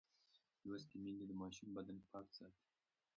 لوستې میندې د ماشوم بدن پاک ساتي.